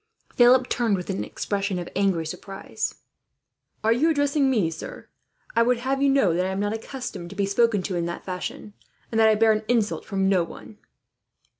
Philip turned, with an expression of angry surprise. "Are you addressing me, sir? I would have you know that am not accustomed to be spoken to, in that fashion; and that I bear an insult from no one."